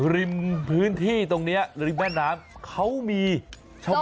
ริมพื้นที่ตรงนี้ริมแม่น้ำเขามีชาวบ้าน